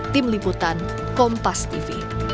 tim liputan kompas tv